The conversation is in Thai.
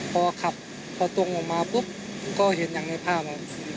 พอขับพอตรงออกมาปุ๊บก็เห็นอย่างในภาพ